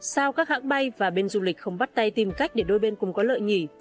sao các hãng bay và bên du lịch không bắt tay tìm cách để đôi bên cùng có lợi nhỉ